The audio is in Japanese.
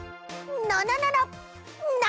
なななな！